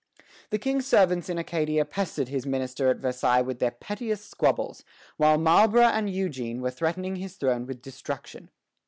The King's servants in Acadia pestered his minister at Versailles with their pettiest squabbles, while Marlborough and Eugene were threatening his throne with destruction.